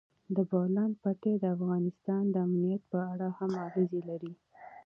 د بولان پټي د افغانستان د امنیت په اړه هم اغېز لري.